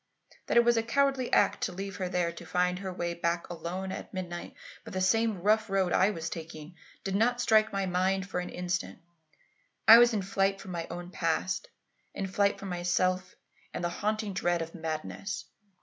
"That it was a cowardly act to leave her there to find her way back alone at midnight by the same rough road I was taking, did not strike my mind for an instant. I was in flight from my own past; in flight from myself and the haunting dread of madness.